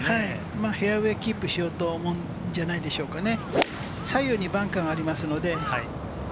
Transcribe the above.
フェアウエーをキープしようと思ってるんじゃないでしょうかね。